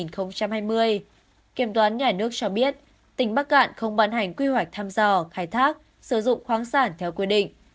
kiểm toán nhà nước cho biết tỉnh bắc cạn không ban hành quy hoạch thăm dò khai thác sử dụng khoáng sản theo quy định